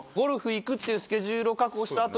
行くっていうスケジュールを確保した後に。